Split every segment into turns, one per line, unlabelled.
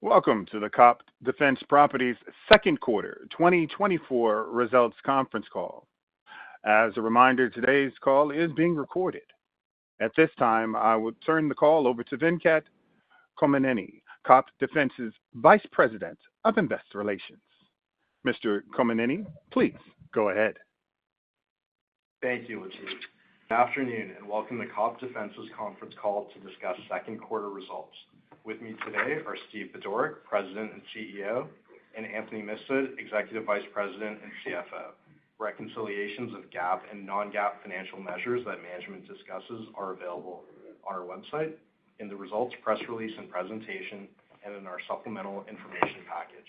Welcome to the COPT Defense Properties second quarter 2024 results conference call. As a reminder, today's call is being recorded. At this time, I will turn the call over to Venkat Kommineni, COPT Defense's Vice President of Investor Relations. Mr. Kommineni, please go ahead.
Thank you, Richie. Good afternoon, and welcome to COPT Defense's conference call to discuss second quarter results. With me today are Steve Budorick, President and CEO, and Anthony Mifsud, Executive Vice President and CFO. Reconciliations of GAAP and non-GAAP financial measures that management discusses are available on our website, in the results press release and presentation, and in our supplemental information package.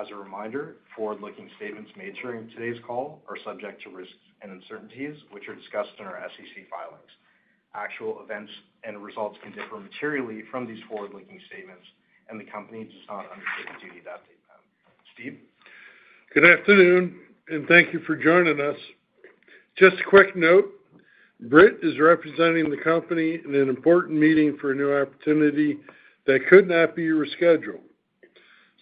As a reminder, forward-looking statements made during today's call are subject to risks and uncertainties, which are discussed in our SEC filings. Actual events and results can differ materially from these forward-looking statements, and the company does not undertake duty to update them. Steve.
Good afternoon, and thank you for joining us. Just a quick note, Britt is representing the company in an important meeting for a new opportunity that could not be rescheduled,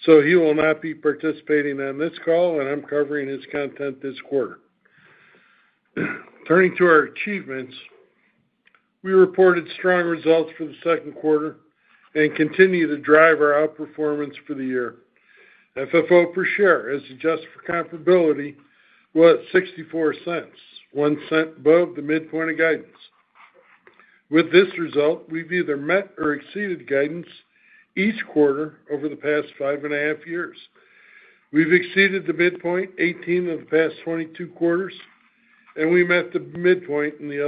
so he will not be participating on this call, and I'm covering his content this quarter. Turning to our achievements, we reported strong results for the second quarter and continue to drive our outperformance for the year. FFO per share, as adjusted for comparability, was $0.64, $0.01 above the midpoint of guidance. With this result, we've either met or exceeded guidance each quarter over the past 5.5 years. We've exceeded the midpoint 18 of the past 22 quarters, and we met the midpoint in the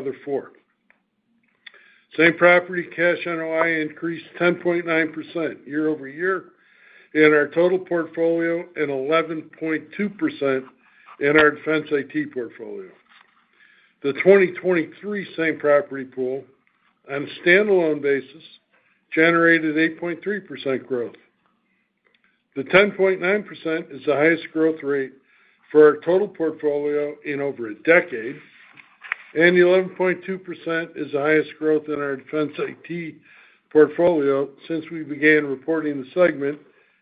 other 4. Same Property Cash NOI increased 10.9% year-over-year in our total portfolio and 11.2% in our Defense IT portfolio. The 2023 Same Property pool, on a standalone basis, generated 8.3% growth. The 10.9% is the highest growth rate for our total portfolio in over a decade, and the 11.2% is the highest growth in our Defense IT portfolio since we began reporting the segment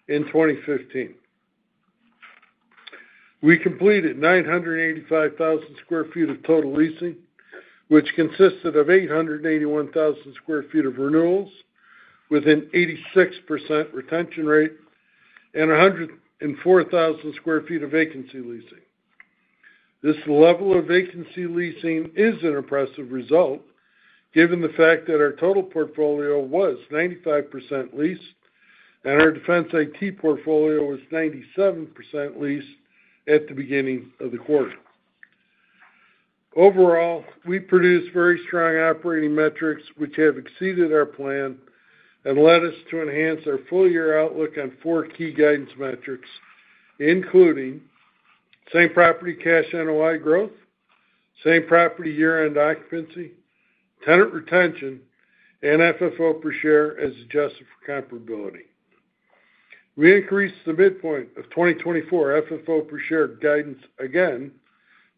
in 2015. We completed 985,000 sq ft of total leasing, which consisted of 881,000 sq ft of renewals with an 86% retention rate and 104,000 sq ft of vacancy leasing. This level of vacancy leasing is an impressive result, given the fact that our total portfolio was 95% leased and our Defense IT portfolio was 97% leased at the beginning of the quarter. Overall, we produced very strong operating metrics, which have exceeded our plan and led us to enhance our full-year outlook on four key guidance metrics, including Same Property Cash NOI growth, Same Property year-end occupancy, tenant retention, and FFO per share as adjusted for comparability. We increased the midpoint of 2024 FFO per share guidance again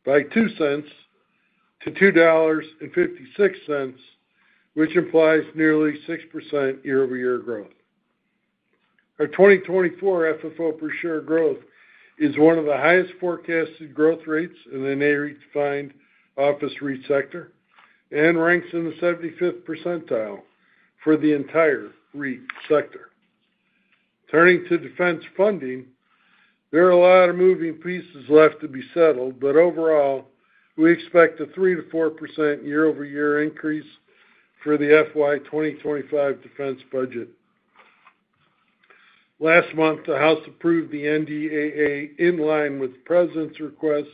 by $0.02 to $2.56, which implies nearly 6% year-over-year growth. Our 2024 FFO per share growth is one of the highest forecasted growth rates in the NAREIT-defined office REIT sector and ranks in the 75th percentile for the entire REIT sector. Turning to defense funding, there are a lot of moving pieces left to be settled, but overall, we expect a 3%-4% year-over-year increase for the FY 2025 defense budget. Last month, the House approved the NDAA in line with the President's request,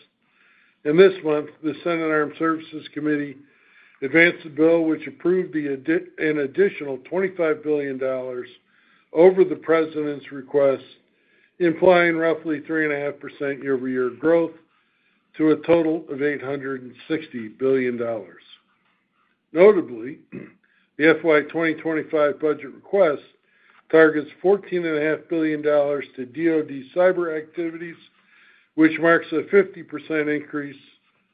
and this month, the Senate Armed Services Committee advanced a bill which approved an additional $25 billion over the President's request, implying roughly 3.5% year-over-year growth to a total of $860 billion. Notably, the FY 2025 budget request targets $14.5 billion to DOD cyber activities, which marks a 50% increase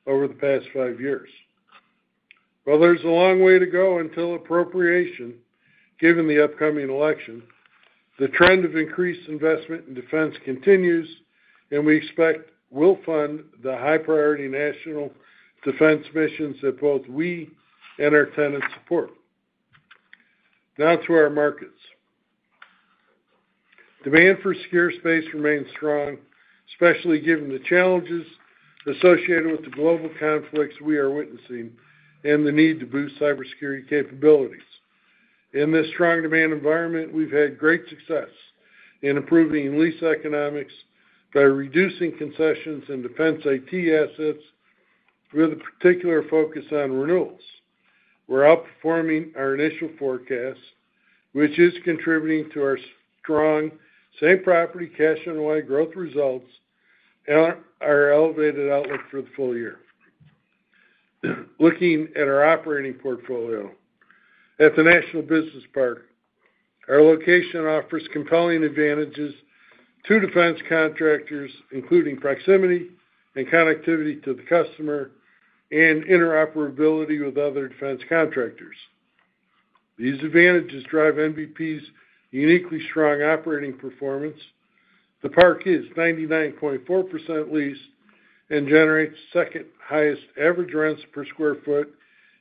over the past five years. While there's a long way to go until appropriation, given the upcoming election, the trend of increased investment in defense continues, and we expect we'll fund the high-priority national defense missions that both we and our tenants support. Now to our markets. Demand for secure space remains strong, especially given the challenges associated with the global conflicts we are witnessing and the need to boost cybersecurity capabilities. In this strong demand environment, we've had great success in improving lease economics by reducing concessions in defense IT assets with a particular focus on renewals. We're outperforming our initial forecast, which is contributing to our strong Same Property Cash NOI growth results and our elevated outlook for the full year. Looking at our operating portfolio at the National Business Park, our location offers compelling advantages to defense contractors, including proximity and connectivity to the customer and interoperability with other defense contractors. These advantages drive NBP's uniquely strong operating performance. The park is 99.4% leased and generates second-highest average rents per square foot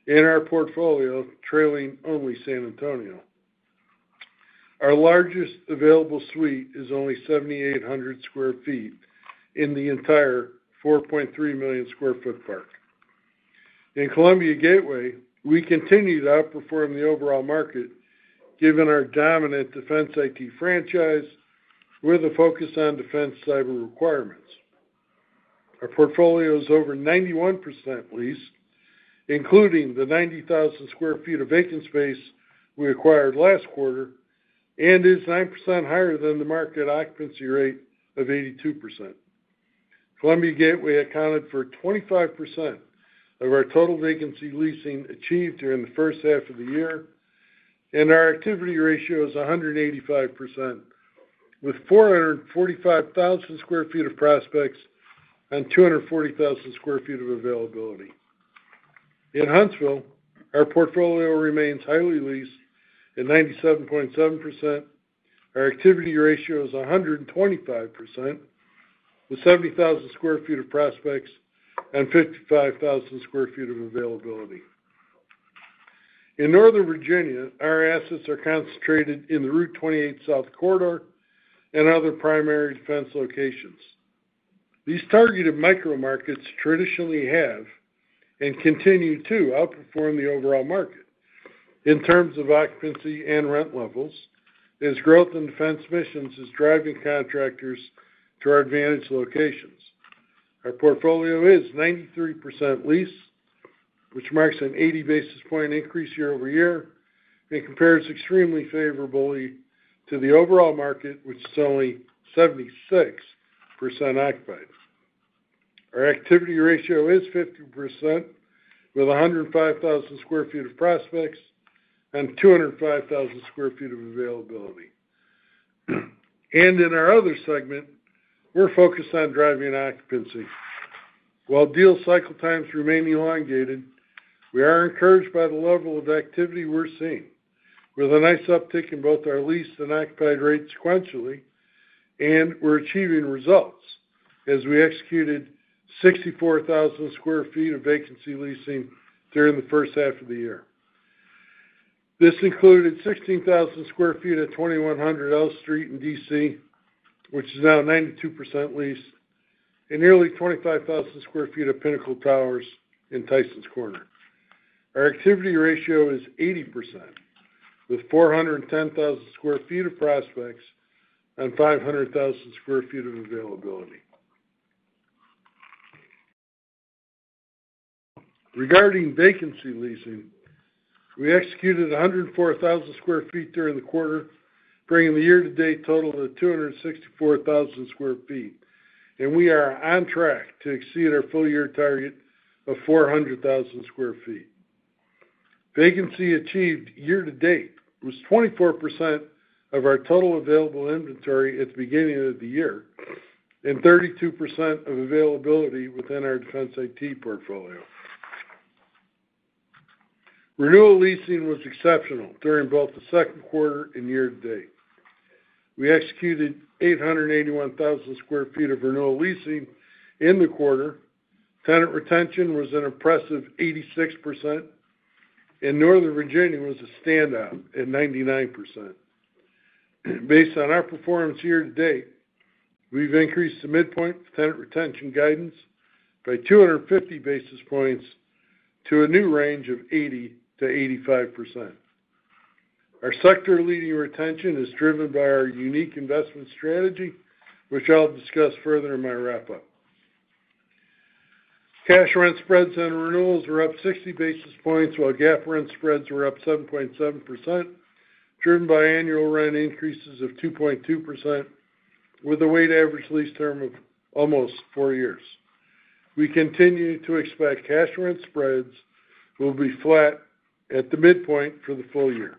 in our portfolio, trailing only San Antonio. Our largest available suite is only 7,800 sq ft in the entire 4.3 million sq ft park. In Columbia Gateway, we continue to outperform the overall market, given our dominant defense IT franchise with a focus on defense cyber requirements. Our portfolio is over 91% leased, including the 90,000 sq ft of vacant space we acquired last quarter, and it is 9% higher than the market occupancy rate of 82%. Columbia Gateway accounted for 25% of our total vacancy leasing achieved during the first half of the year, and our activity ratio is 185%, with 445,000 sq ft of prospects and 240,000 sq ft of availability. In Huntsville, our portfolio remains highly leased at 97.7%. Our activity ratio is 125%, with 70,000 sq ft of prospects and 55,000 sq ft of availability. In Northern Virginia, our assets are concentrated in the Route 28 South Corridor and other primary defense locations. These targeted micro-markets traditionally have and continue to outperform the overall market in terms of occupancy and rent levels, as growth in defense missions is driving contractors to our advantaged locations. Our portfolio is 93% leased, which marks an 80 basis points increase year-over-year and compares extremely favorably to the overall market, which is only 76% occupied. Our activity ratio is 50%, with 105,000 sq ft of prospects and 205,000 sq ft of availability. In our other segment, we're focused on driving occupancy. While deal cycle times remain elongated, we are encouraged by the level of activity we're seeing, with a nice uptick in both our leased and occupied rates sequentially, and we're achieving results as we executed 64,000 sq ft of vacancy leasing during the first half of the year. This included 16,000 sq ft at 2100 L Street in D.C., which is now 92% leased, and nearly 25,000 sq ft at Pinnacle Towers in Tysons Corner. Our activity ratio is 80%, with 410,000 sq ft of prospects and 500,000 sq ft of availability. Regarding vacancy leasing, we executed 104,000 sq ft during the quarter, bringing the year-to-date total to 264,000 sq ft, and we are on track to exceed our full-year target of 400,000 sq ft. Vacancy achieved year-to-date was 24% of our total available inventory at the beginning of the year and 32% of availability within our Defense IT portfolio. Renewal leasing was exceptional during both the second quarter and year-to-date. We executed 881,000 sq ft of renewal leasing in the quarter. Tenant retention was an impressive 86%, and Northern Virginia was a standout at 99%. Based on our performance year-to-date, we've increased the midpoint of tenant retention guidance by 250 basis points to a new range of 80%-85%. Our sector-leading retention is driven by our unique investment strategy, which I'll discuss further in my wrap-up. Cash rent spreads and renewals were up 60 basis points, while GAAP rent spreads were up 7.7%, driven by annual rent increases of 2.2%, with a weighted average lease term of almost four years. We continue to expect cash rent spreads will be flat at the midpoint for the full year.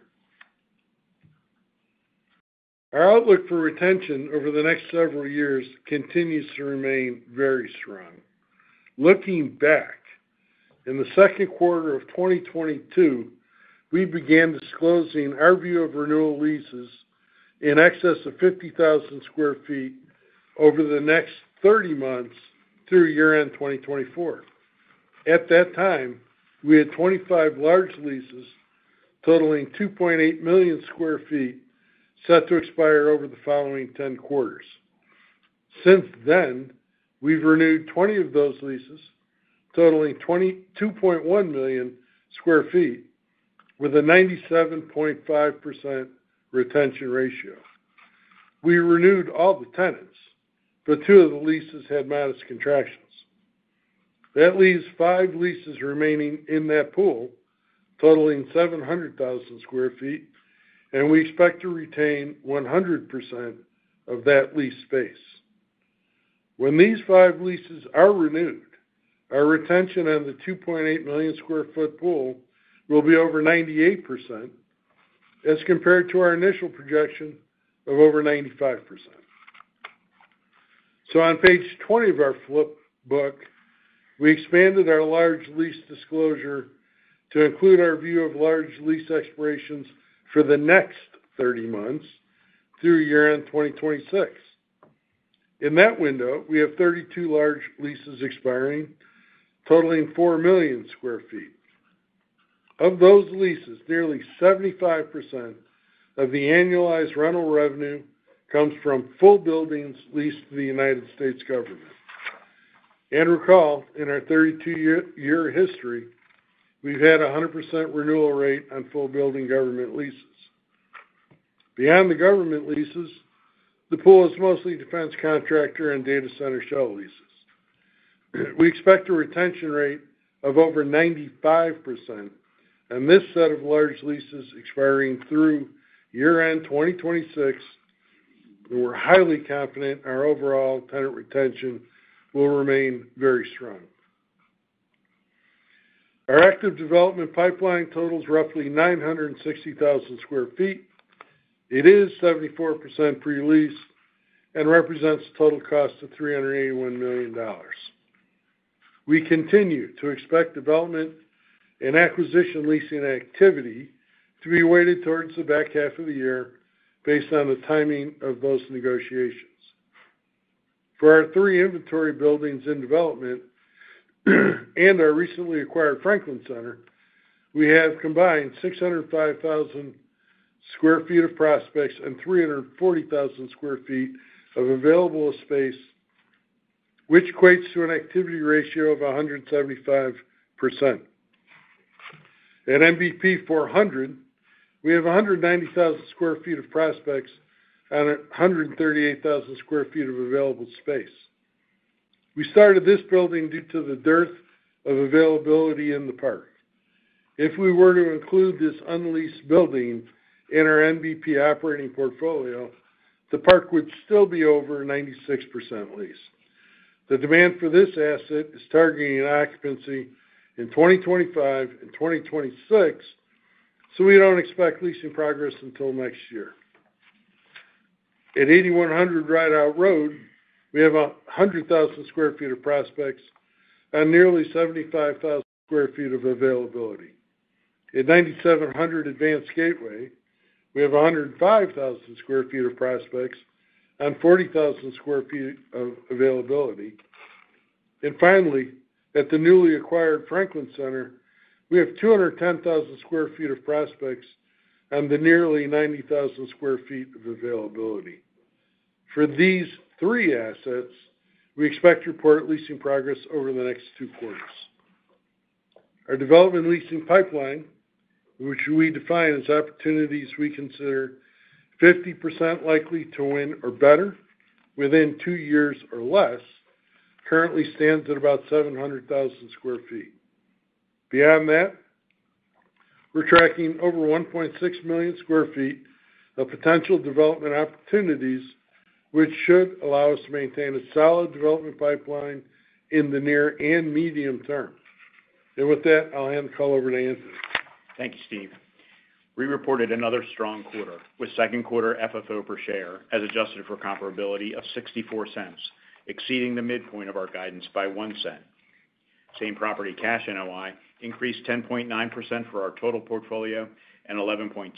Our outlook for retention over the next several years continues to remain very strong. Looking back, in the second quarter of 2022, we began disclosing our view of renewal leases in excess of 50,000 sq ft over the next 30 months through year-end 2024. At that time, we had 25 large leases totaling 2.8 million sq ft set to expire over the following 10 quarters. Since then, we've renewed 20 of those leases totaling 2.1 million sq ft with a 97.5% retention ratio. We renewed all the tenants, but two of the leases had modest contractions. That leaves five leases remaining in that pool totaling 700,000 sq ft, and we expect to retain 100% of that lease space. When these five leases are renewed, our retention on the 2.8 million sq ft pool will be over 98% as compared to our initial projection of over 95%. So on page 20 of our flip book, we expanded our large lease disclosure to include our view of large lease expirations for the next 30 months through year-end 2026. In that window, we have 32 large leases expiring totaling 4 million sq ft. Of those leases, nearly 75% of the annualized rental revenue comes from full buildings leased to the United States Government. And recall, in our 32-year history, we've had a 100% renewal rate on full building government leases. Beyond the government leases, the pool is mostly defense contractor and data center shell leases. We expect a retention rate of over 95%, and this set of large leases expiring through year-end 2026, we're highly confident our overall tenant retention will remain very strong. Our active development pipeline totals roughly 960,000 sq ft. It is 74% pre-leased and represents a total cost of $381 million. We continue to expect development and acquisition leasing activity to be weighted towards the back half of the year based on the timing of those negotiations. For our three inventory buildings in development and our recently acquired Franklin Center, we have combined 605,000 sq ft of prospects and 340,000 sq ft of available space, which equates to an activity ratio of 175%. At NBP 400, we have 190,000 sq ft of prospects and 138,000 sq ft of available space. We started this building due to the dearth of availability in the park. If we were to include this unleased building in our NBP operating portfolio, the park would still be over 96% leased. The demand for this asset is targeting occupancy in 2025 and 2026, so we don't expect leasing progress until next year. At 8100 Rideout Road, we have 100,000 sq ft of prospects and nearly 75,000 sq ft of availability. At 9700 Advanced Gateway, we have 105,000 sq ft of prospects and 40,000 sq ft of availability. And finally, at the newly acquired Franklin Center, we have 210,000 sq ft of prospects and the nearly 90,000 sq ft of availability. For these three assets, we expect to report leasing progress over the next two quarters. Our development leasing pipeline, which we define as opportunities we consider 50% likely to win or better within two years or less, currently stands at about 700,000 sq ft. Beyond that, we're tracking over 1.6 million sq ft of potential development opportunities, which should allow us to maintain a solid development pipeline in the near and medium term. And with that, I'll hand the call over to Anthony.
Thank you, Steve. We reported another strong quarter with second quarter FFO per share as adjusted for comparability of $0.64, exceeding the midpoint of our guidance by $0.01. Same Property Cash NOI increased 10.9% for our total portfolio and 11.2%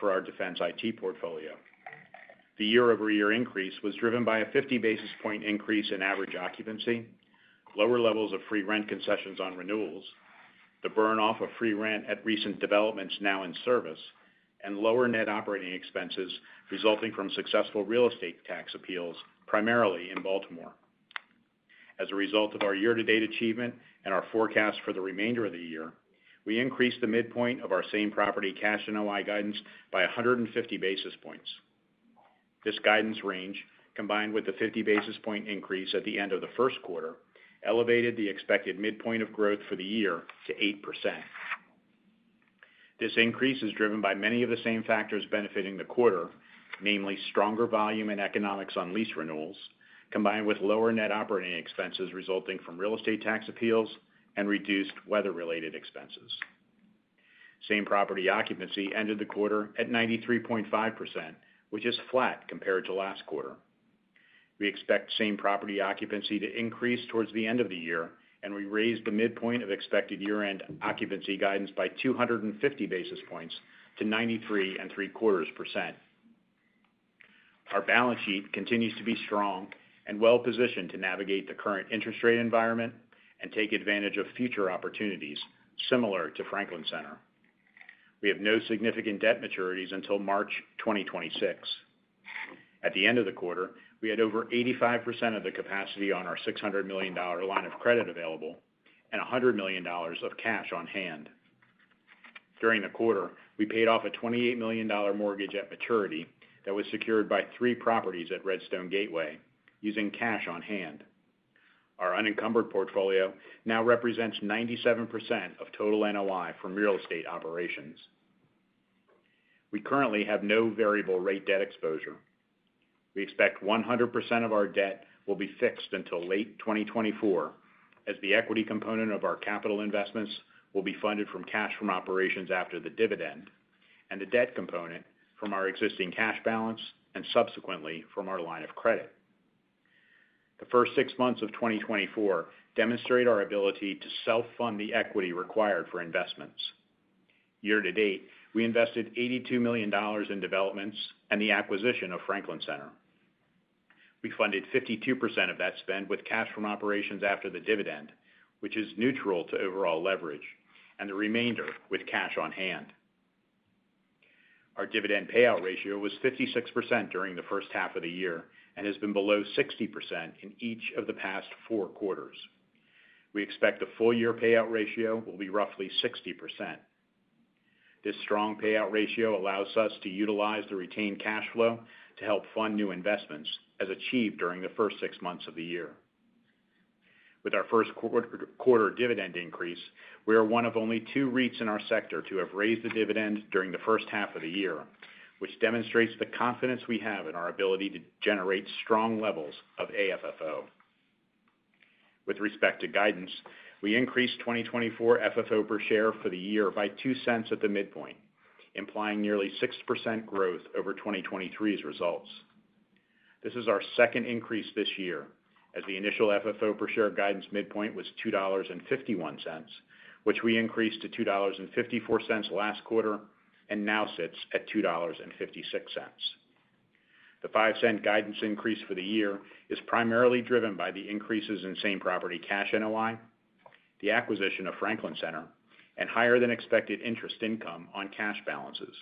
for our Defense IT portfolio. The year-over-year increase was driven by a 50 basis points increase in average occupancy, lower levels of free rent concessions on renewals, the burn off of free rent at recent developments now in service, and lower net operating expenses resulting from successful real estate tax appeals, primarily in Baltimore. As a result of our year-to-date achievement and our forecast for the remainder of the year, we increased the midpoint of our Same Property Cash NOI guidance by 150 basis points. This guidance range, combined with the 50 basis point increase at the end of the first quarter, elevated the expected midpoint of growth for the year to 8%. This increase is driven by many of the same factors benefiting the quarter, namely stronger volume and economics on lease renewals, combined with lower net operating expenses resulting from real estate tax appeals and reduced weather-related expenses. Same Property Occupancy ended the quarter at 93.5%, which is flat compared to last quarter. We expect Same Property Occupancy to increase towards the end of the year, and we raised the midpoint of expected year-end occupancy guidance by 250 basis points to 93.75%. Our balance sheet continues to be strong and well-positioned to navigate the current interest rate environment and take advantage of future opportunities similar to Franklin Center. We have no significant debt maturities until March 2026. At the end of the quarter, we had over 85% of the capacity on our $600 million line of credit available and $100 million of cash on hand. During the quarter, we paid off a $28 million mortgage at maturity that was secured by three properties at Redstone Gateway using cash on hand. Our unencumbered portfolio now represents 97% of total NOI from real estate operations. We currently have no variable-rate debt exposure. We expect 100% of our debt will be fixed until late 2024, as the equity component of our capital investments will be funded from cash from operations after the dividend, and the debt component from our existing cash balance and subsequently from our line of credit. The first six months of 2024 demonstrate our ability to self-fund the equity required for investments. Year-to-date, we invested $82 million in developments and the acquisition of Franklin Center. We funded 52% of that spend with cash from operations after the dividend, which is neutral to overall leverage, and the remainder with cash on hand. Our dividend payout ratio was 56% during the first half of the year and has been below 60% in each of the past 4 quarters. We expect the full-year payout ratio will be roughly 60%. This strong payout ratio allows us to utilize the retained cash flow to help fund new investments as achieved during the first six months of the year. With our first quarter dividend increase, we are one of only two REITs in our sector to have raised the dividend during the first half of the year, which demonstrates the confidence we have in our ability to generate strong levels of AFFO. With respect to guidance, we increased 2024 FFO per share for the year by $0.02 at the midpoint, implying nearly 6% growth over 2023's results. This is our second increase this year, as the initial FFO per share guidance midpoint was $2.51, which we increased to $2.54 last quarter and now sits at $2.56. The $0.05 guidance increase for the year is primarily driven by the increases in Same Property Cash NOI, the acquisition of Franklin Center, and higher-than-expected interest income on cash balances.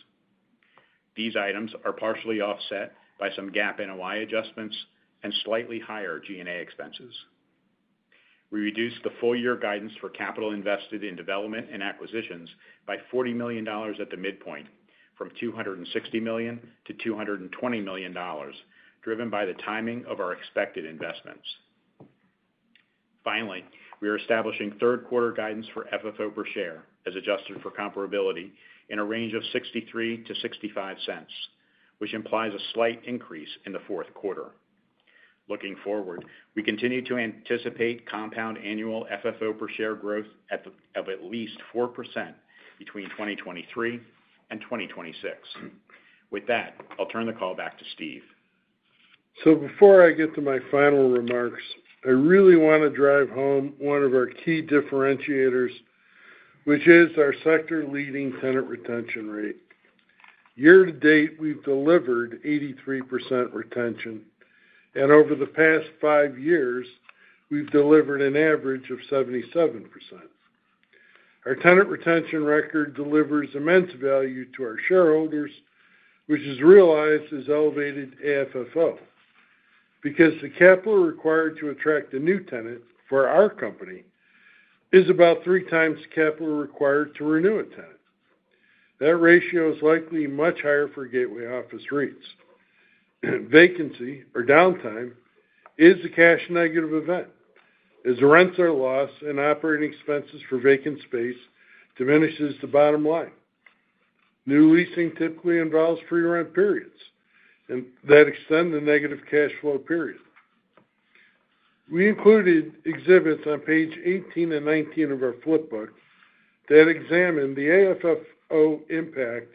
These items are partially offset by some GAAP NOI adjustments and slightly higher G&A expenses. We reduced the full-year guidance for capital invested in development and acquisitions by $40 million at the midpoint from $260 million to $220 million, driven by the timing of our expected investments. Finally, we are establishing third-quarter guidance for FFO per share as adjusted for comparability in a range of $0.63-$0.65, which implies a slight increase in the fourth quarter. Looking forward, we continue to anticipate compound annual FFO per share growth of at least 4% between 2023 and 2026. With that, I'll turn the call back to Steve.
So before I get to my final remarks, I really want to drive home one of our key differentiators, which is our sector-leading tenant retention rate. Year-to-date, we've delivered 83% retention, and over the past five years, we've delivered an average of 77%. Our tenant retention record delivers immense value to our shareholders, which is realized as elevated AFFO because the capital required to attract a new tenant for our company is about three times the capital required to renew a tenant. That ratio is likely much higher for gateway office REITs. Vacancy or downtime is a cash negative event as the rents are lost and operating expenses for vacant space diminishes the bottom line. New leasing typically involves free rent periods that extend the negative cash flow period. We included exhibits on page 18 and 19 of our flip book that examine the AFFO impact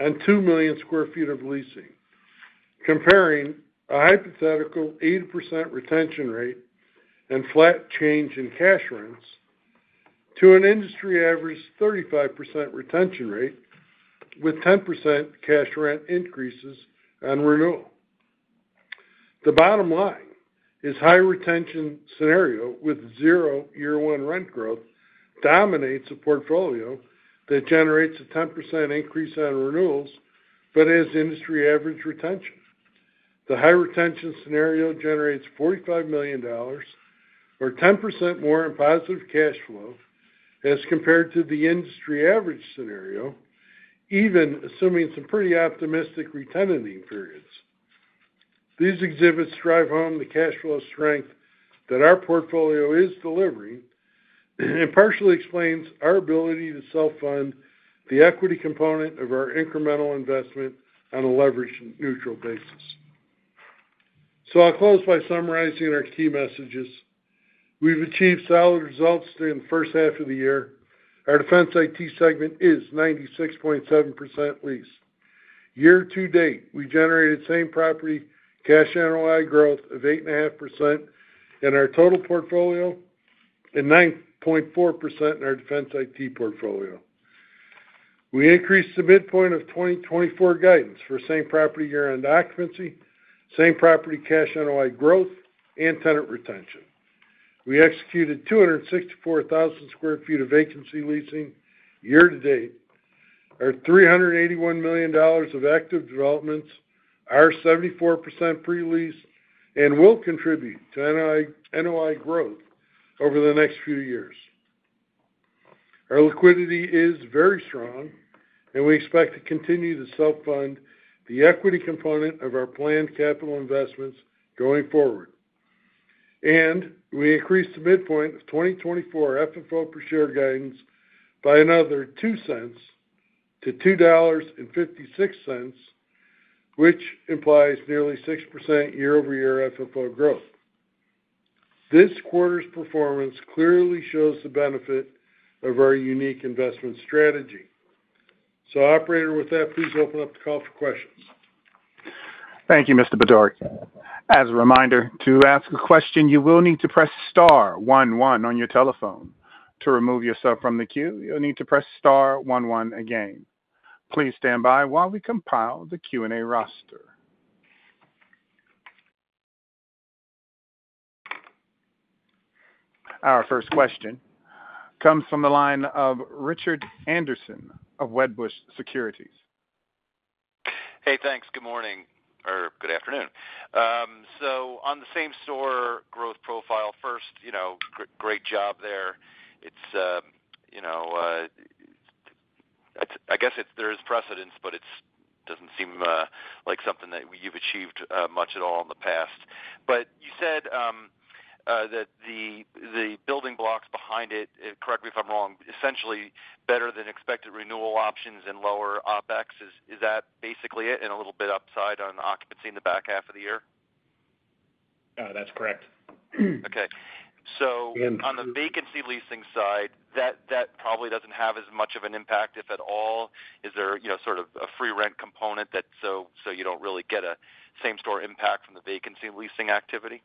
on 2 million sq ft of leasing, comparing a hypothetical 80% retention rate and flat change in cash rents to an industry-averaged 35% retention rate with 10% cash rent increases on renewal. The bottom line is a high-retention scenario with zero year-one rent growth dominates a portfolio that generates a 10% increase on renewals but has industry-averaged retention. The high-retention scenario generates $45 million or 10% more in positive cash flow as compared to the industry-averaged scenario, even assuming some pretty optimistic retention periods. These exhibits drive home the cash flow strength that our portfolio is delivering and partially explains our ability to self-fund the equity component of our incremental investment on a leveraged neutral basis. So I'll close by summarizing our key messages. We've achieved solid results during the first half of the year. Our Defense IT segment is 96.7% leased. Year-to-date, we generated Same Property Cash NOI growth of 8.5% in our total portfolio and 9.4% in our Defense IT portfolio. We increased the midpoint of 2024 guidance for Same Property year-end occupancy, Same Property Cash NOI growth, and tenant retention. We executed 264,000 sq ft of vacancy leasing year-to-date. Our $381 million of active developments are 74% pre-leased and will contribute to NOI growth over the next few years. Our liquidity is very strong, and we expect to continue to self-fund the equity component of our planned capital investments going forward. We increased the midpoint of 2024 FFO per share guidance by another $0.02 to $2.56, which implies nearly 6% year-over-year FFO growth. This quarter's performance clearly shows the benefit of our unique investment strategy. Operator, with that, please open up the call for questions.
Thank you, Mr. Budorick. As a reminder, to ask a question, you will need to press star one one on your telephone. To remove yourself from the queue, you'll need to press star one one again. Please stand by while we compile the Q&A roster. Our first question comes from the line of Richard Anderson of Wedbush Securities.
Hey, thanks. Good morning or good afternoon. On the same store growth profile, first, you know, great job there. It's, you know, I guess there is precedent, but it doesn't seem like something that you've achieved much at all in the past. You said that the building blocks behind it, correct me if I'm wrong, essentially better than expected renewal options and lower OpEx. Is that basically it and a little bit upside on occupancy in the back half of the year?
That's correct.
Okay. So on the vacancy leasing side, that probably doesn't have as much of an impact, if at all. Is there, you know, sort of a free rent component that, so you don't really get a same-store impact from the vacancy leasing activity?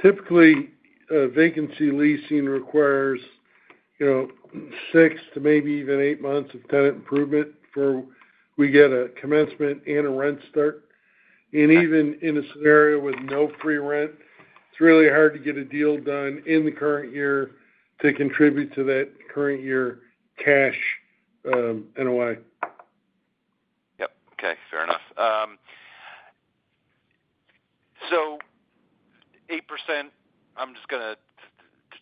Typically, vacancy leasing requires, you know, six to maybe even eight months of tenant improvement before we get a commencement and a rent start. Even in a scenario with no free rent, it's really hard to get a deal done in the current year to contribute to that current year cash NOI.
Yep. Okay. Fair enough. So 8%, I'm just going to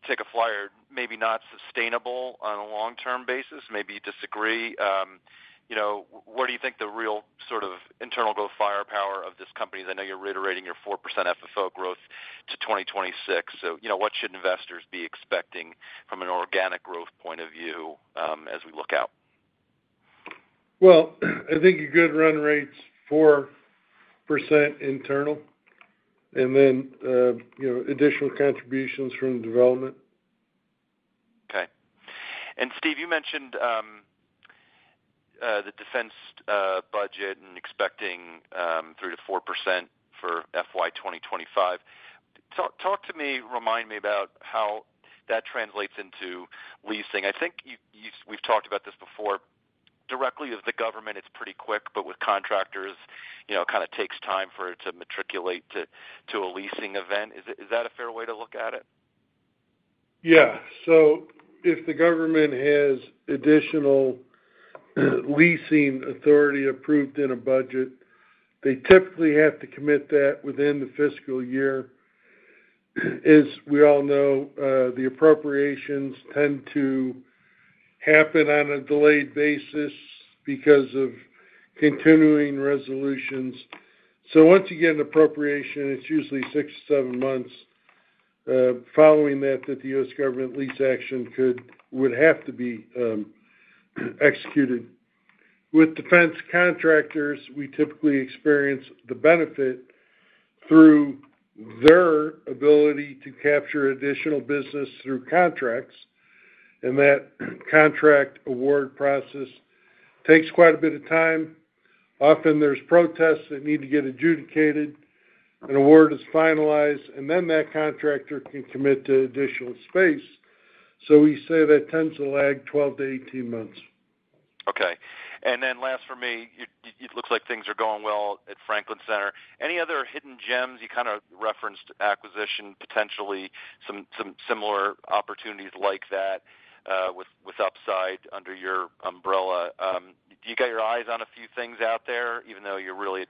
take a flyer. Maybe not sustainable on a long-term basis. Maybe you disagree. You know, what do you think the real sort of internal growth firepower of this company is? I know you're reiterating your 4% FFO growth to 2026. So, you know, what should investors be expecting from an organic growth point of view as we look out?
Well, I think a good run rate is 4% internal and then, you know, additional contributions from development.
Okay. And Steve, you mentioned the defense budget and expecting 3%-4% for FY 2025. Talk to me, remind me about how that translates into leasing. I think we've talked about this before. Directly with the government, it's pretty quick, but with contractors, you know, it kind of takes time for it to matriculate to a leasing event. Is that a fair way to look at it?
Yeah. So if the government has additional leasing authority approved in a budget, they typically have to commit that within the fiscal year. As we all know, the appropriations tend to happen on a delayed basis because of continuing resolutions. So once you get an appropriation, it's usually six to seven months following that that the U.S. government lease action could, would have to be executed. With defense contractors, we typically experience the benefit through their ability to capture additional business through contracts, and that contract award process takes quite a bit of time. Often, there's protests that need to get adjudicated, an award is finalized, and then that contractor can commit to additional space. So we say that tends to lag 12 to 18 months.
Okay. Then last for me, it looks like things are going well at Franklin Center. Any other hidden gems? You kind of referenced acquisition, potentially some similar opportunities like that with upside under your umbrella. Do you get your eyes on a few things out there, even though you're really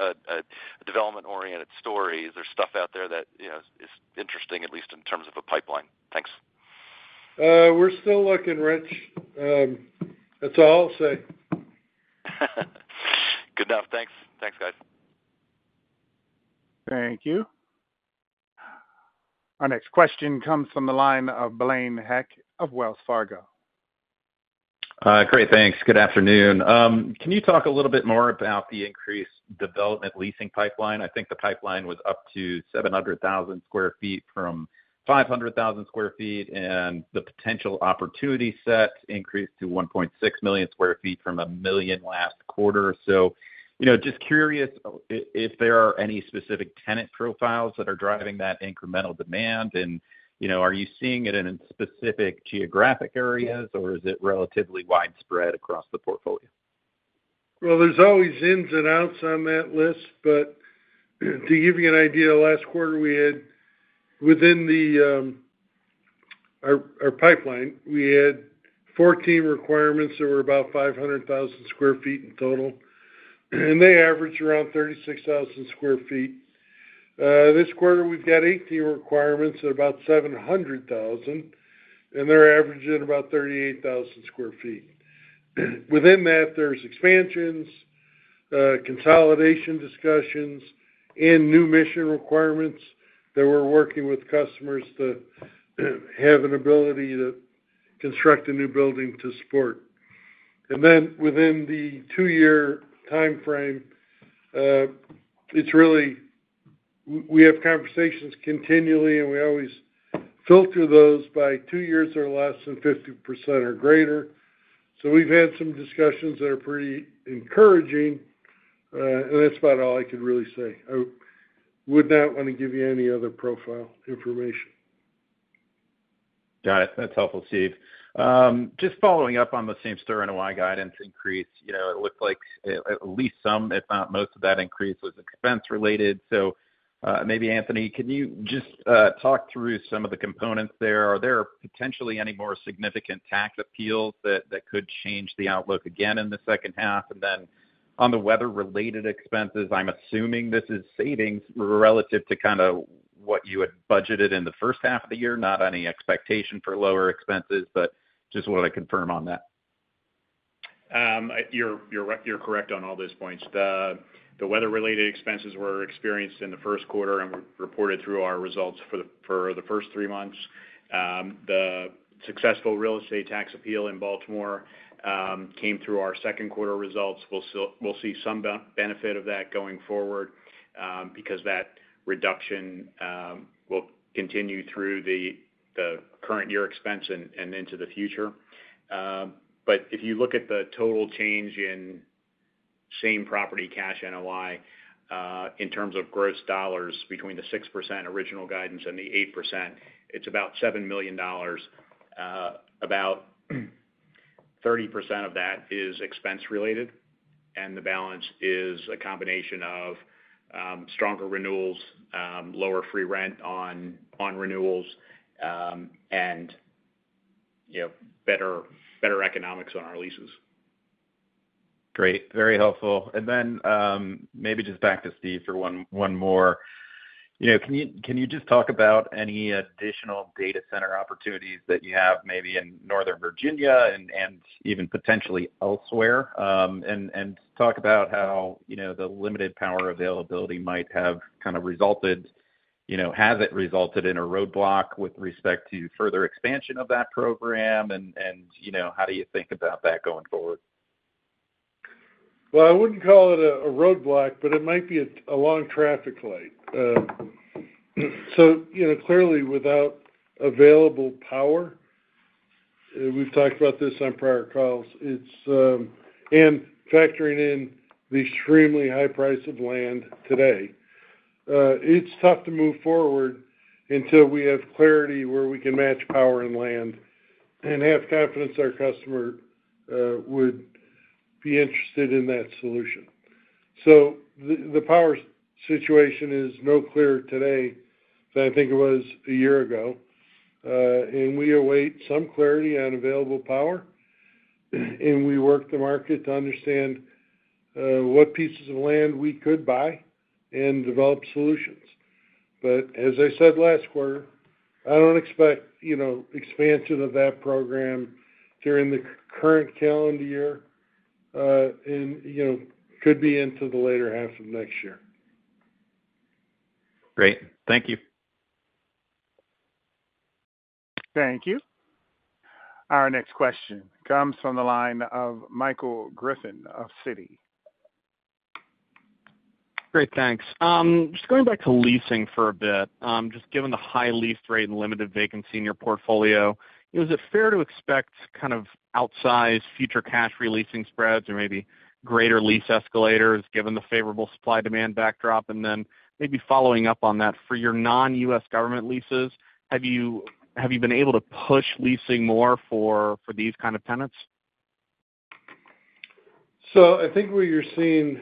a development-oriented story? Is there stuff out there that, you know, is interesting, at least in terms of a pipeline? Thanks.
We're still looking, Rich. That's all I'll say.
Good enough. Thanks. Thanks, guys.
Thank you. Our next question comes from the line of Blaine Heck of Wells Fargo.
Great. Thanks. Good afternoon. Can you talk a little bit more about the increased development leasing pipeline? I think the pipeline was up to 700,000 sq ft from 500,000 sq ft, and the potential opportunity set increased to 1.6 million sq ft from 1 million last quarter. So, you know, just curious if there are any specific tenant profiles that are driving that incremental demand. And, you know, are you seeing it in specific geographic areas, or is it relatively widespread across the portfolio?
Well, there's always ins and outs on that list. But to give you an idea, last quarter we had, within our pipeline, we had 14 requirements that were about 500,000 sq ft in total, and they averaged around 36,000 sq ft. This quarter, we've got 18 requirements at about 700,000, and they're averaging about 38,000 sq ft. Within that, there's expansions, consolidation discussions, and new mission requirements that we're working with customers to have an ability to construct a new building to support. And then within the two-year timeframe, it's really, we have conversations continually, and we always filter those by two years or less than 50% or greater. So we've had some discussions that are pretty encouraging, and that's about all I could really say. I would not want to give you any other profile information.
Got it. That's helpful, Steve. Just following up on the same store NOI guidance increase, you know, it looked like at least some, if not most of that increase was expense-related. So maybe, Anthony, can you just talk through some of the components there? Are there potentially any more significant tax appeals that could change the outlook again in the second half? And then on the weather-related expenses, I'm assuming this is savings relative to kind of what you had budgeted in the first half of the year, not any expectation for lower expenses, but just want to confirm on that.
You're correct on all those points. The weather-related expenses were experienced in the first quarter and reported through our results for the first three months. The successful real estate tax appeal in Baltimore came through our second quarter results. We'll see some benefit of that going forward because that reduction will continue through the current year expense and into the future. But if you look at the total change in Same Property Cash NOI in terms of gross dollars between the 6% original guidance and the 8%, it's about $7 million. About 30% of that is expense-related, and the balance is a combination of stronger renewals, lower free rent on renewals, and, you know, better economics on our leases.
Great. Very helpful. And then maybe just back to Steve for one more. You know, can you just talk about any additional data center opportunities that you have maybe in Northern Virginia and even potentially elsewhere and talk about how, you know, the limited power availability might have kind of resulted, you know, has it resulted in a roadblock with respect to further expansion of that program? And, you know, how do you think about that going forward?
Well, I wouldn't call it a roadblock, but it might be a long traffic light. So, you know, clearly without available power, we've talked about this on prior calls, it's, and factoring in the extremely high price of land today, it's tough to move forward until we have clarity where we can match power and land and have confidence our customer would be interested in that solution. So the power situation is no clearer today than I think it was a year ago. And we await some clarity on available power, and we work the market to understand what pieces of land we could buy and develop solutions. But as I said last quarter, I don't expect, you know, expansion of that program during the current calendar year, and, you know, could be into the later half of next year.
Great. Thank you.
Thank you. Our next question comes from the line of Michael Griffin of Citi.
Great. Thanks. Just going back to leasing for a bit, just given the high lease rate and limited vacancy in your portfolio, is it fair to expect kind of outsized future cash re-leasing spreads or maybe greater lease escalators given the favorable supply-demand backdrop? And then maybe following up on that, for your non-U.S. government leases, have you been able to push leasing more for these kind of tenants?
So I think what you're seeing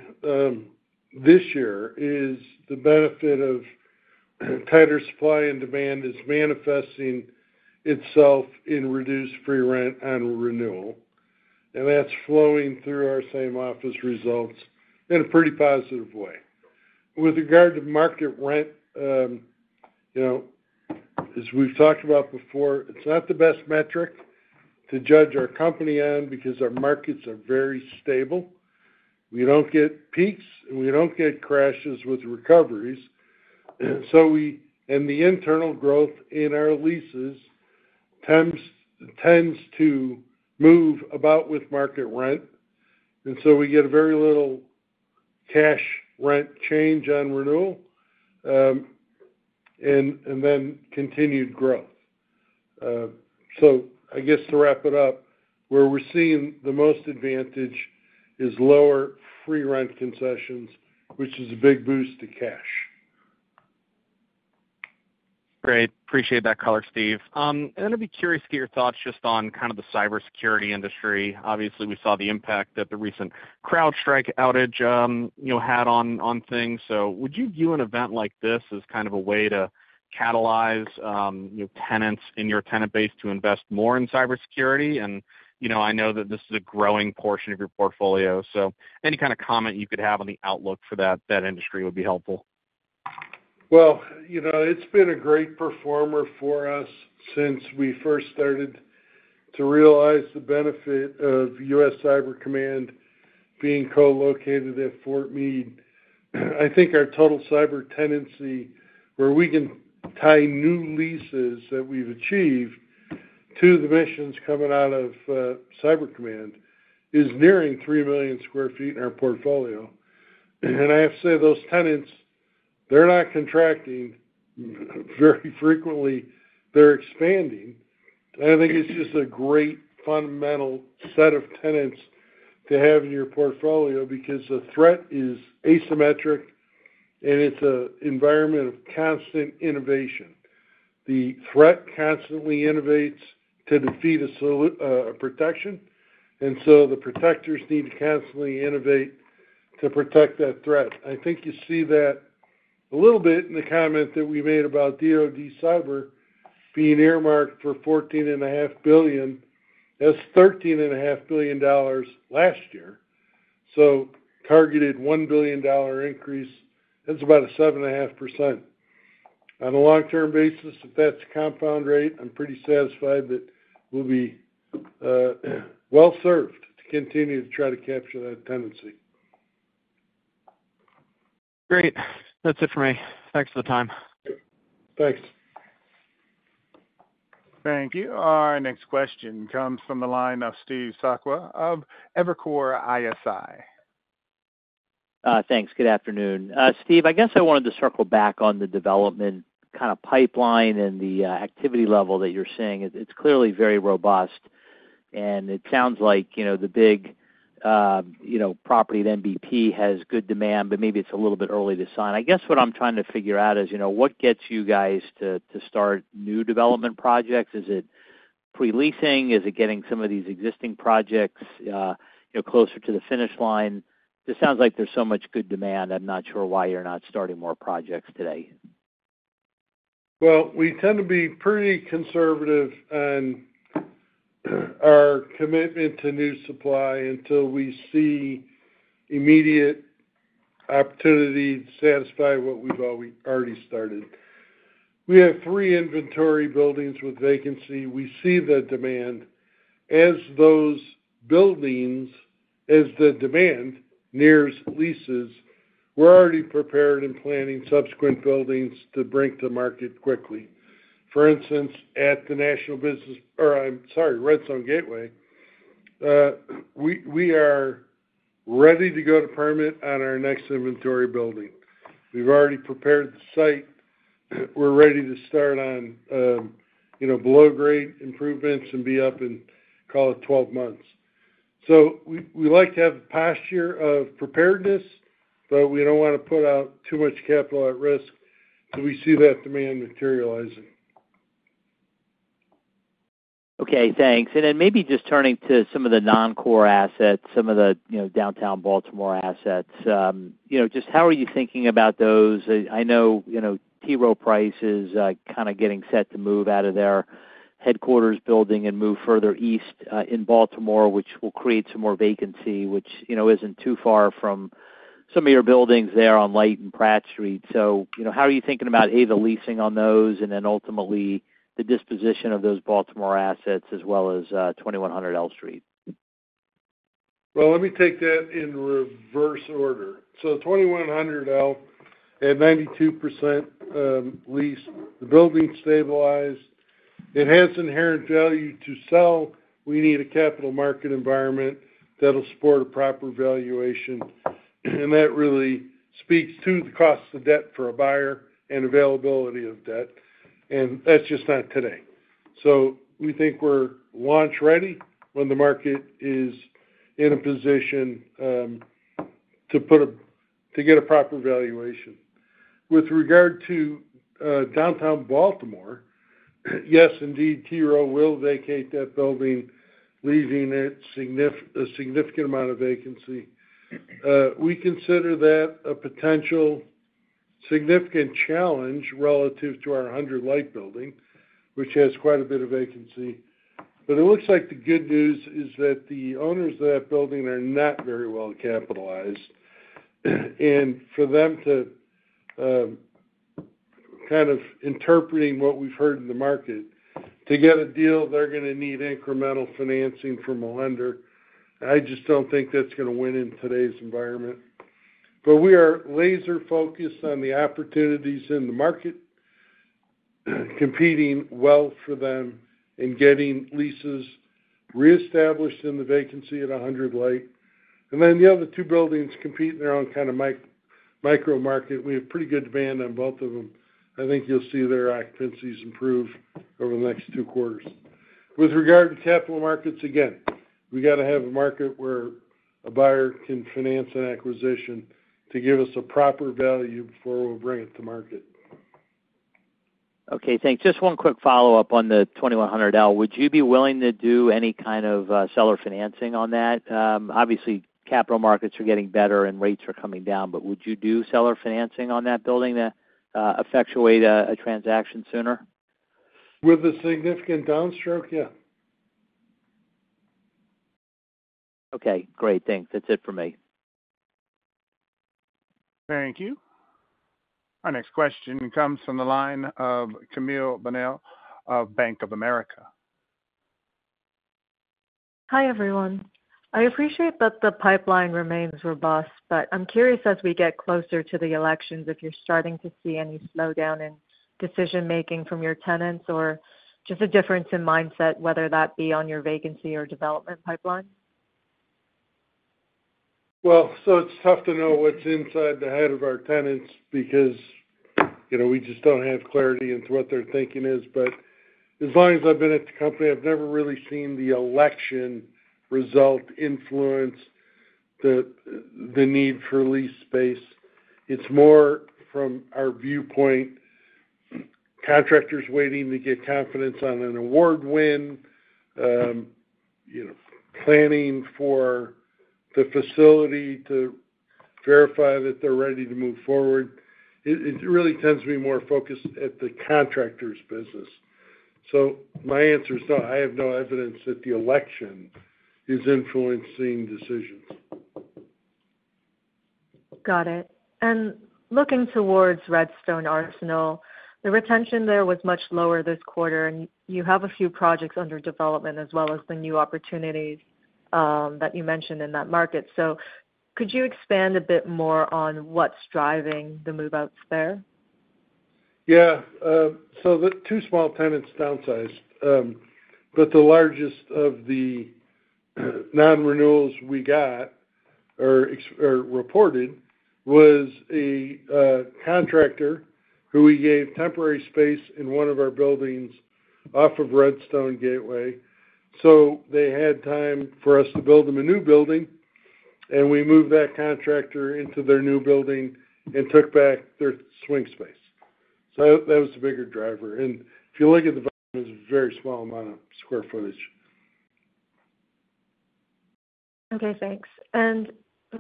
this year is the benefit of tighter supply and demand is manifesting itself in reduced free rent on renewal. And that's flowing through our same office results in a pretty positive way. With regard to market rent, you know, as we've talked about before, it's not the best metric to judge our company on because our markets are very stable. We don't get peaks, and we don't get crashes with recoveries. And so we, and the internal growth in our leases tends to move about with market rent. And so we get a very little cash rent change on renewal and then continued growth. So I guess to wrap it up, where we're seeing the most advantage is lower free rent concessions, which is a big boost to cash.
Great. Appreciate that color, Steve. And then I'd be curious to get your thoughts just on kind of the cybersecurity industry. Obviously, we saw the impact that the recent CrowdStrike outage, you know, had on things. So would you view an event like this as kind of a way to catalyze tenants in your tenant base to invest more in cybersecurity? And, you know, I know that this is a growing portion of your portfolio. So any kind of comment you could have on the outlook for that industry would be helpful.
Well, you know, it's been a great performer for us since we first started to realize the benefit of U.S. Cyber Command being co-located at Fort Meade. I think our total cyber tenancy, where we can tie new leases that we've achieved to the missions coming out of Cyber Command, is nearing 3 million sq ft in our portfolio. I have to say, those tenants, they're not contracting very frequently. They're expanding. I think it's just a great fundamental set of tenants to have in your portfolio because the threat is asymmetric, and it's an environment of constant innovation. The threat constantly innovates to defeat a protection, and so the protectors need to constantly innovate to protect that threat. I think you see that a little bit in the comment that we made about DOD Cyber being earmarked for $14.5 billion as $13.5 billion last year. So targeted $1 billion increase, that's about a 7.5%. On a long-term basis, if that's a compound rate, I'm pretty satisfied that we'll be well served to continue to try to capture that tendency.
Great. That's it for me. Thanks for the time.
Thanks.
Thank you. Our next question comes from the line of Steve Sakwa of Evercore ISI.
Thanks. Good afternoon. Steve, I guess I wanted to circle back on the development kind of pipeline and the activity level that you're seeing. It's clearly very robust, and it sounds like, you know, the big, you know, property at NBP has good demand, but maybe it's a little bit early to sign. I guess what I'm trying to figure out is, you know, what gets you guys to start new development projects? Is it pre-leasing? Is it getting some of these existing projects, you know, closer to the finish line? Just sounds like there's so much good demand. I'm not sure why you're not starting more projects today.
Well, we tend to be pretty conservative on our commitment to new supply until we see immediate opportunity to satisfy what we've already started. We have three inventory buildings with vacancy. We see the demand. As those buildings, as the demand nears leases, we're already prepared and planning subsequent buildings to bring to market quickly. For instance, at the National Business, or I'm sorry, Redstone Gateway, we are ready to go to permit on our next inventory building. We've already prepared the site. We're ready to start on, you know, below-grade improvements and be up in, call it, 12 months. So we like to have a posture of preparedness, but we don't want to put out too much capital at risk. So we see that demand materializing.
Okay. Thanks. And then maybe just turning to some of the non-core assets, some of the, you know, downtown Baltimore assets, you know, just how are you thinking about those? I know, you know, T. Rowe Price is kind of getting set to move out of their headquarters building and move further east in Baltimore, which will create some more vacancy, which, you know, isn't too far from some of your buildings there on Light and Pratt Street. So, you know, how are you thinking about, A, the leasing on those, and then ultimately the disposition of those Baltimore assets as well as 2100 L Street?
Well, let me take that in reverse order. So 2100 L had 92% lease. The building stabilized. It has inherent value to sell. We need a capital market environment that'll support a proper valuation. And that really speaks to the cost of debt for a buyer and availability of debt. And that's just not today. So we think we're launch ready when the market is in a position to put a, to get a proper valuation. With regard to downtown Baltimore, yes, indeed, T. Rowe will vacate that building, leaving a significant amount of vacancy. We consider that a potential significant challenge relative to our 100 Light building, which has quite a bit of vacancy. But it looks like the good news is that the owners of that building are not very well capitalized. For them to kind of interpreting what we've heard in the market, to get a deal, they're going to need incremental financing from a lender. I just don't think that's going to win in today's environment. But we are laser-focused on the opportunities in the market, competing well for them and getting leases reestablished in the vacancy at 100 Light. Then the other two buildings compete in their own kind of micro-market. We have pretty good demand on both of them. I think you'll see their occupancies improve over the next two quarters. With regard to capital markets, again, we got to have a market where a buyer can finance an acquisition to give us a proper value before we'll bring it to market.
Okay. Thanks. Just one quick follow-up on the 2100 L. Would you be willing to do any kind of seller financing on that? Obviously, capital markets are getting better and rates are coming down, but would you do seller financing on that building to effectuate a transaction sooner?
With a significant downstroke, yeah.
Okay. Great. Thanks. That's it for me.
Thank you. Our next question comes from the line of Camille Bonnel of Bank of America.
Hi everyone. I appreciate that the pipeline remains robust, but I'm curious as we get closer to the elections if you're starting to see any slowdown in decision-making from your tenants or just a difference in mindset, whether that be on your vacancy or development pipeline?
Well, so it's tough to know what's inside the head of our tenants because, you know, we just don't have clarity into what their thinking is. But as long as I've been at the company, I've never really seen the election result influence the need for lease space. It's more from our viewpoint, contractors waiting to get confidence on an award win, you know, planning for the facility to verify that they're ready to move forward. It really tends to be more focused at the contractor's business. So my answer is no, I have no evidence that the election is influencing decisions.
Got it. And looking towards Redstone Arsenal, the retention there was much lower this quarter, and you have a few projects under development as well as the new opportunities that you mentioned in that market. So could you expand a bit more on what's driving the move-outs there?
Yeah. So the two small tenants downsized. But the largest of the non-renewals we got or reported was a contractor who we gave temporary space in one of our buildings off of Redstone Gateway. So they had time for us to build them a new building, and we moved that contractor into their new building and took back their swing space. So that was the bigger driver. And if you look at the volume, it's a very small amount of square footage.
Okay. Thanks.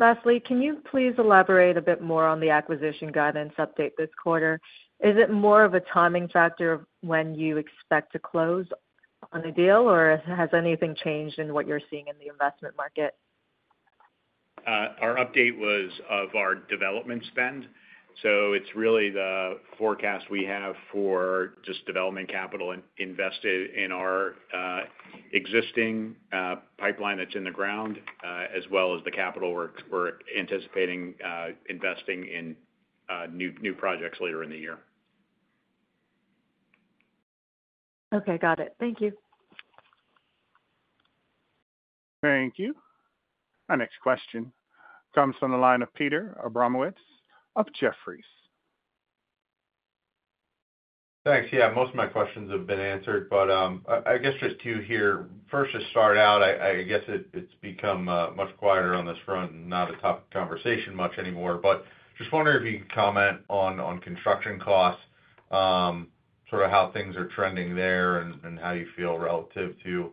Lastly, can you please elaborate a bit more on the acquisition guidance update this quarter? Is it more of a timing factor of when you expect to close on a deal, or has anything changed in what you're seeing in the investment market?
Our update was of our development spend. It's really the forecast we have for just development capital invested in our existing pipeline that's in the ground, as well as the capital we're anticipating investing in new projects later in the year.
Okay. Got it. Thank you.
Thank you. Our next question comes from the line of Peter Abramowitz of Jefferies.
Thanks. Yeah. Most of my questions have been answered, but I guess just to hear, first to start out, I guess it's become much quieter on this front and not a topic of conversation much anymore. But just wondering if you could comment on construction costs, sort of how things are trending there and how you feel relative to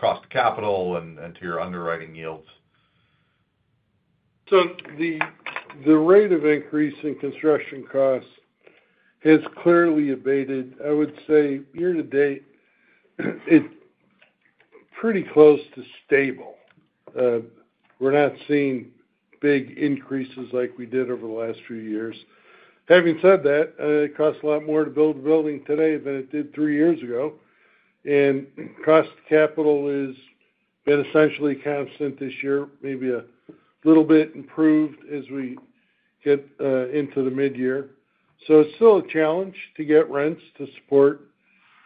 cost of capital and to your underwriting yields?
So the rate of increase in construction costs has clearly abated. I would say year to date, it's pretty close to stable. We're not seeing big increases like we did over the last few years. Having said that, it costs a lot more to build a building today than it did three years ago. And cost of capital has been essentially constant this year, maybe a little bit improved as we get into the mid-year. So it's still a challenge to get rents to support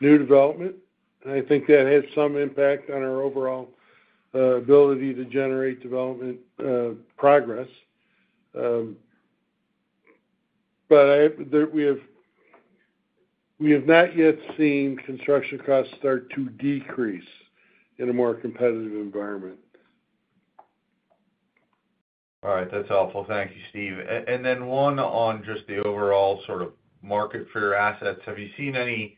new development. And I think that has some impact on our overall ability to generate development progress. But we have not yet seen construction costs start to decrease in a more competitive environment.
All right. That's helpful. Thank you, Steve. Then one on just the overall sort of market for your assets. Have you seen any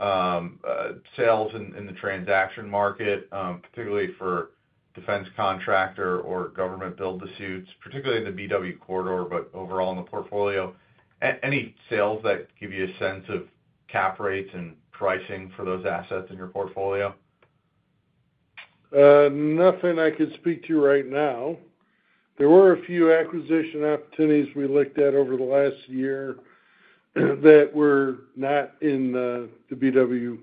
sales in the transaction market, particularly for defense contractor or government build-to-suits, particularly in the BW corridor, but overall in the portfolio? Any sales that give you a sense of cap rates and pricing for those assets in your portfolio?
Nothing I can speak to right now. There were a few acquisition opportunities we looked at over the last year that were not in the BW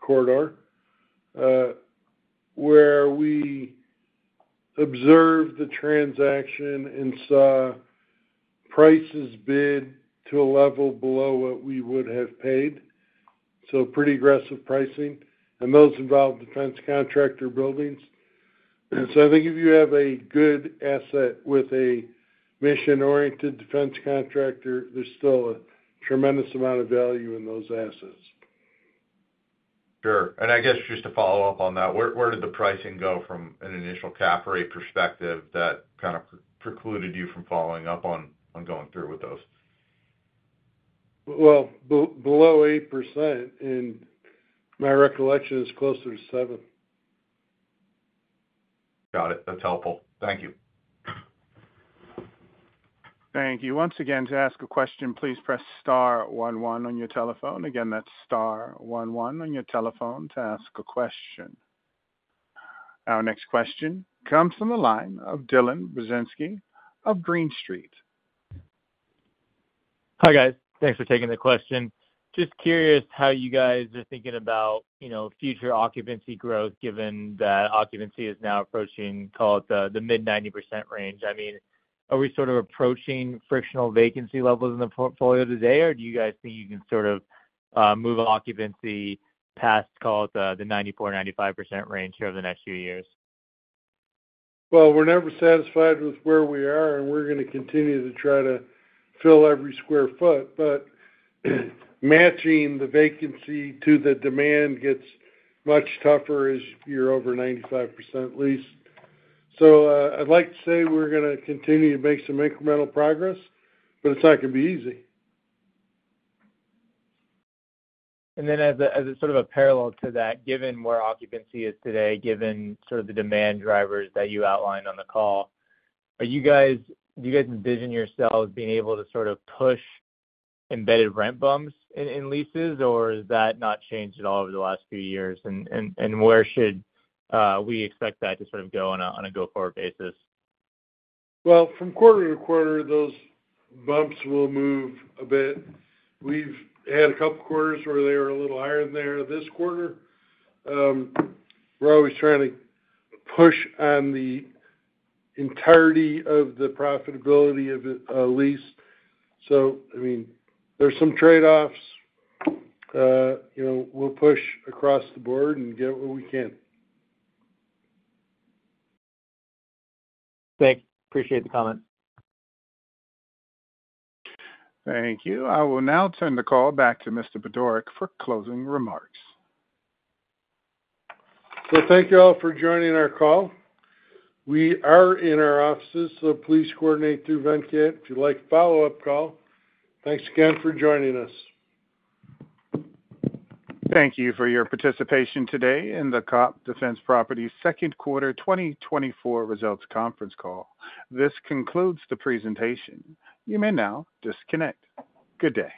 corridor, where we observed the transaction and saw prices bid to a level below what we would have paid. So pretty aggressive pricing. And those involved defense contractor buildings. And so I think if you have a good asset with a mission-oriented defense contractor, there's still a tremendous amount of value in those assets.
Sure. I guess just to follow up on that, where did the pricing go from an initial cap rate perspective that kind of precluded you from following up on going through with those?
Well, below 8%, and my recollection is closer to 7%.
Got it. That's helpful. Thank you.
Thank you. Once again, to ask a question, please press star one one on your telephone. Again, that's star one one on your telephone to ask a question. Our next question comes from the line of Dylan Burzinski of Green Street.
Hi guys. Thanks for taking the question. Just curious how you guys are thinking about, you know, future occupancy growth given that occupancy is now approaching, call it the mid-90% range. I mean, are we sort of approaching frictional vacancy levels in the portfolio today, or do you guys think you can sort of move occupancy past, call it the 94%-95% range here over the next few years?
Well, we're never satisfied with where we are, and we're going to continue to try to fill every sq ft. But matching the vacancy to the demand gets much tougher as you're over 95% lease. So I'd like to say we're going to continue to make some incremental progress, but it's not going to be easy.
And then as a sort of a parallel to that, given where occupancy is today, given sort of the demand drivers that you outlined on the call, are you guys, do you guys envision yourselves being able to sort of push embedded rent bumps in leases, or has that not changed at all over the last few years? And where should we expect that to sort of go on a go-forward basis?
Well, from quarter to quarter, those bumps will move a bit. We've had a couple quarters where they were a little higher than they are this quarter. We're always trying to push on the entirety of the profitability of a lease. So, I mean, there's some trade-offs. You know, we'll push across the board and get what we can.
Thanks. Appreciate the comments.
Thank you. I will now turn the call back to Mr. Budorick for closing remarks.
Well, thank you all for joining our call. We are in our offices, so please coordinate through Venkat if you'd like a follow-up call. Thanks again for joining us.
Thank you for your participation today in the COPT Defense Properties Second Quarter 2024 Results Conference Call. This concludes the presentation. You may now disconnect. Good day.